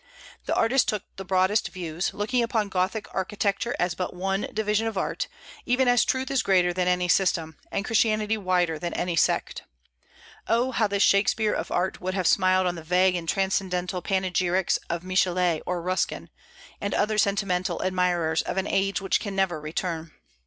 The artist took the broadest views, looking upon Gothic architecture as but one division of art, even as truth is greater than any system, and Christianity wider than any sect. O, how this Shakspeare of art would have smiled on the vague and transcendental panegyrics of Michelet or Ruskin, and other sentimental admirers of an age which never can return!